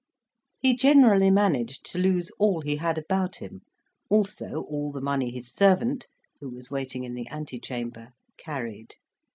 He generally managed to lose all he had about him, also all the money his servant, who was waiting in the ante chamber, carried.